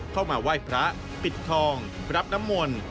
เข้ามาไหว้พระปิดทองรับน้ำมนต์